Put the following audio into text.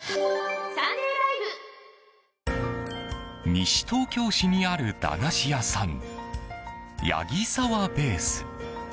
西東京市にある駄菓子屋さんヤギサワベース。